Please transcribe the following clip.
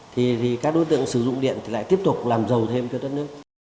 thì các đối tượng sử dụng điện thì lại tiếp tục làm giàu thêm cho đất nước